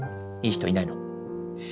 いい人いないの？